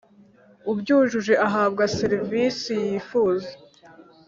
ubyujuje ahabwa serivisi yifuza.